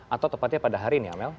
atau tepatnya pada hari ini amel